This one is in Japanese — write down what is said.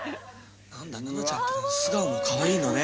「何だ奈々ちゃんったら素顔もカワイイのね」